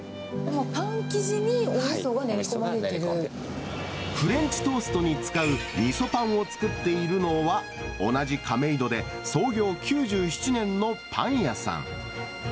パン生地におみそが練り込まフレンチトーストに使うみそパンを作っているのは、同じ亀戸で創業９７年のパン屋さん。